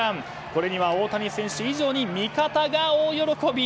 これには大谷選手以上に味方が大喜び。